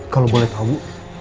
kalau boleh tahu